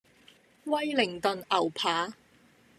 威靈頓牛扒